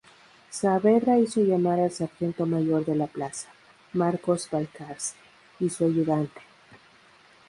Saavedra hizo llamar al sargento mayor de la plaza, Marcos Balcarce, y su ayudante.